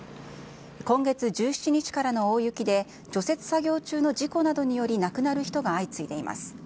今月１７日からの大雪で、除雪作業中の事故などにより亡くなる人が相次いでいます。